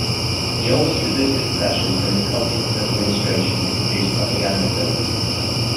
He always resisted pressures from the communist administration to produce propaganda films.